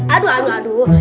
aduh aduh aduh